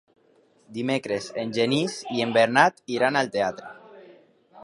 Dimecres en Genís i en Bernat iran al teatre.